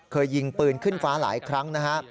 เคยยิงปืนขึ้นฟ้าหลายครั้งนะฮะ